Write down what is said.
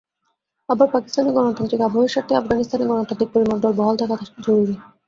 আবার পাকিস্তানের গণতান্ত্রিক আবহের স্বার্থেই আফগানিস্তানে গণতান্ত্রিক পরিমণ্ডল বহাল থাকা জরুরি।